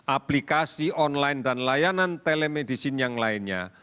aplikasi online dan layanan telemedicine yang lainnya